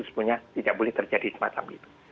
sebenarnya tidak boleh terjadi semacam itu